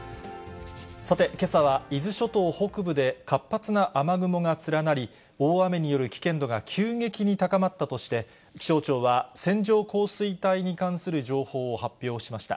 さて、けさは伊豆諸島北部で活発な雨雲が連なり、大雨による危険度が急激に高まったとして、気象庁は線状降水帯に関する情報を発表しました。